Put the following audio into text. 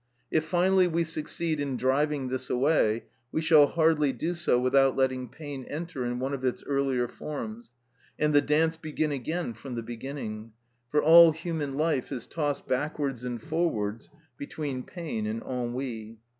If finally we succeed in driving this away, we shall hardly do so without letting pain enter in one of its earlier forms, and the dance begin again from the beginning; for all human life is tossed backwards and forwards between pain and ennui.